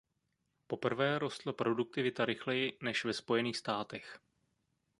Poprvé rostla produktivita rychleji než ve Spojených státech.